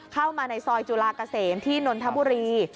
เข้ามาในซอยจุฬาเกษมที่นนทบุรี